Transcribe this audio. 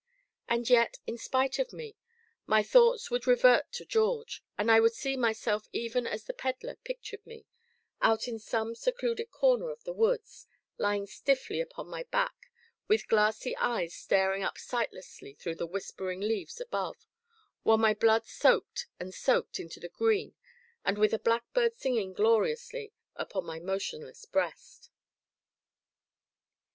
And yet, in despite of me, my thoughts would revert to George, and I would see myself even as the Pedler pictured me, out in some secluded corner of the woods, lying stiffly upon my back with glassy eyes staring up sightlessly through the whispering leaves above, while my blood soaked and soaked into the green, and with a blackbird singing gloriously upon my motionless breast.